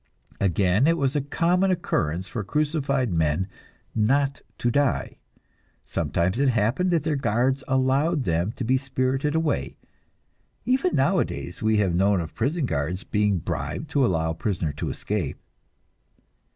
Again, it was a common occurrence for crucified men not to die; sometimes it happened that their guards allowed them to be spirited away even nowadays we have known of prison guards being bribed to allow a prisoner to escape.